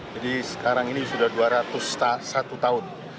jadi sekarang ini sudah dua ratus satu tahun